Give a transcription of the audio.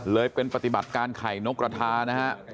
เลยเป็นปฏิบัติการไข่นกกระทานะฮะ